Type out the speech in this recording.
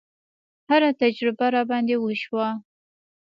هره تجربه راباندې وشوه.